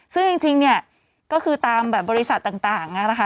ซึ่งจริงก็คือตามบริษัทต่างนะคะ